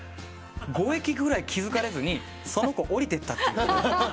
５駅ぐらい気付かれずにその子降りてったっていう。